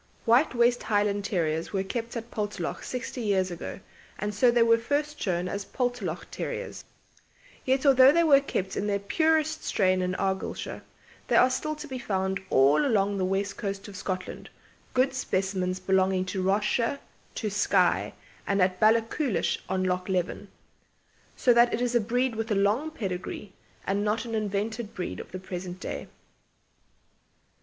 White West Highland Terriers were kept at Poltalloch sixty years ago, and so they were first shown as Poltalloch Terriers. Yet although they were kept in their purest strain in Argyllshire, they are still to be found all along the west coast of Scotland, good specimens belonging to Ross shire, to Skye, and at Ballachulish on Loch Leven, so that it is a breed with a long pedigree and not an invented breed of the present day.